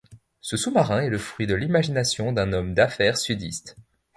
Ce sous-marin est le fruit de l'imagination d'un homme d'affaires sudiste.